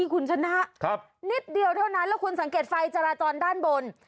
คุณชนะนิดเดียวเท่านั้นแล้วคุณสังเกตไฟจราจรด้านบน